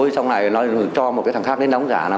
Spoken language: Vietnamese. xong rồi nó cho một cái thằng khác đến đóng giả